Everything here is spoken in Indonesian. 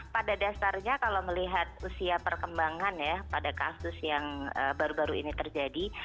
pada dasarnya kalau melihat usia perkembangan ya pada kasus yang baru baru ini terjadi